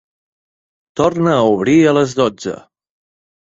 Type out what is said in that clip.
Torna a obrir a les dotze.